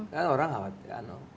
kan orang khawatir